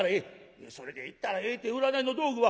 「いや『それでいったらええ』て占いの道具は扱われへん。